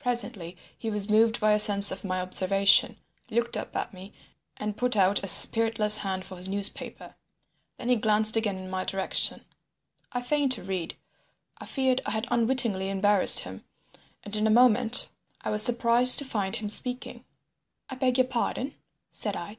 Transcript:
Presently he was moved by a sense of my observation, looked up at me, and put out a spiritless hand for his newspaper. Then he glanced again in my direction. I feigned to read. I feared I had unwittingly embarrassed him, and in a moment I was surprised to find him speaking. "I beg your pardon?" said I.